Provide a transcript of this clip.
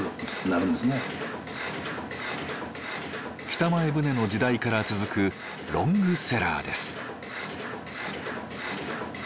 北前船の時代から続くロングセラーです。